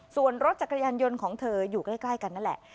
ส่วนรถจักรยานยนต์ของเธออยู่ใกล้กันนั่นแหละ